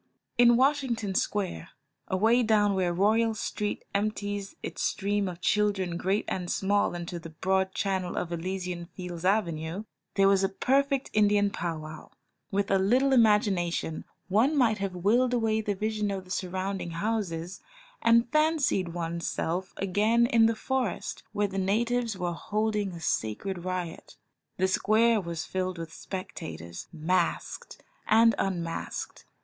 In Washington Square, away down where Royal Street empties its stream of children great and small into the broad channel of Elysian Fields Avenue, there was a perfect Indian pow wow. With a little imagination one might have willed away the vision of the surrounding houses, and fancied one's self again in the forest, where the natives were holding a sacred riot. The square was filled with spectators, masked and un masked.